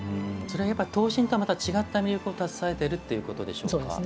刀身とはまた違った魅力を携えているということですね。